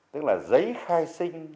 tức là giấy khai sinh